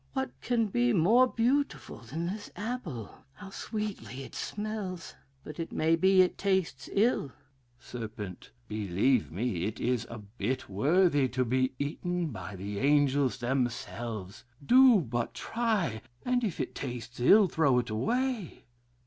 What 'can be more beautiful than this apple? How sweetly it smells! But it may be it tastes ill. "Serp. Believe me, it is a bit worthy to be eaten by the angels themselves; do but try, and if it tastes ill, throw it away.